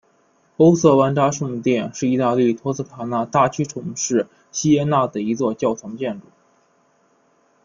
欧瑟万扎圣殿是义大利托斯卡纳大区城市锡耶纳的一座教堂建筑。